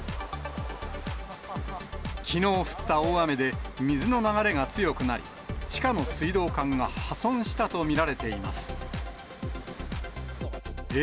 きのう降った大雨で、水の流れが強くなり、地下の水道管が破損したと見られています。